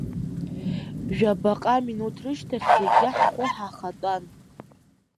Жәабаҟа минуҭ рышьҭахь зегьы ҳхәы ҳахатәан.